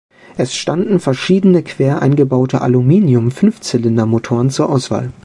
Es standen verschiedene quer eingebaute Aluminium-Fünfzylinder-Motoren zur Auswahl.